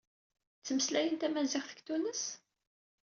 Ttmeslayen tamaziɣt deg Tunes?